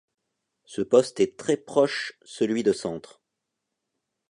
Ce poste est très proche celui de centre.